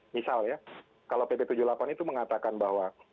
misal ya kalau pp tujuh puluh delapan itu mengatakan bahwa